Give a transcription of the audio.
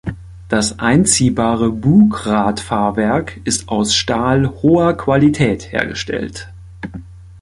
Das einziehbare Bugradfahrwerk ist aus Stahl hoher Qualität hergestellt.